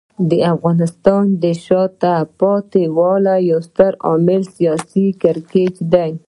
د افغانستان د شاته پاتې والي یو ستر عامل سیاسي کړکېچ دی.